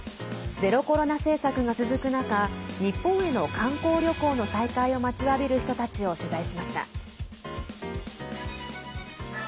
ゼロコロナ政策が続く中日本への観光旅行の再開を待ちわびる人たちを取材しました。